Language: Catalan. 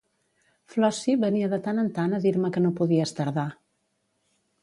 Flossie venia de tant en tant a dir-me que no podies tardar.